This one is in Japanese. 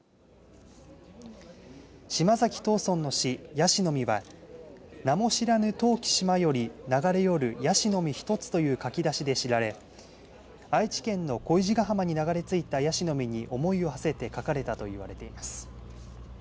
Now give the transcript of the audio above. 島崎藤村の詩、椰子の実は名も知らぬ遠き島より流れ寄る椰子の実ひとつという書き出しで知られ愛知県の恋路ヶ浜に流れついたやしの実に思いをはせて書かれたといわれています。